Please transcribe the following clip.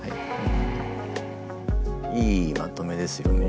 いいまとめですよね。